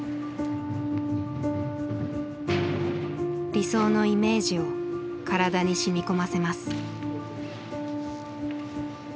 理想のイメージを体にしみ込ませます。